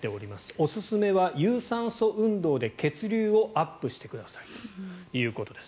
おすすめは有酸素運動で血流をアップしてくださいということです。